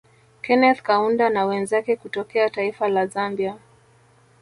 Keneth Kaunda na wenzake kutokea taifa La Zambia